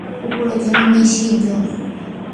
কুকুর এখানে নিষিদ্ধ।